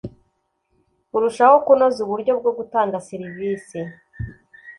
Kurushaho kunoza uburyo bwo gutanga serivise